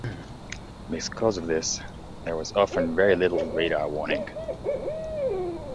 Because of this there was often very little radar warning.